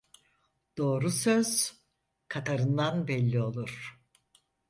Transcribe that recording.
Doğru söz katarından belli olur.